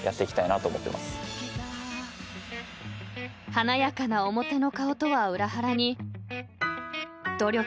［華やかな表の顔とは裏腹に努力に努力を重ね］